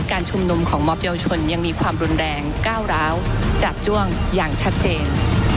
การชุมนุมของมอบเยาวชนยังมีความรุนแรงก้าวร้าวจาบจ้วงอย่างชัดเจน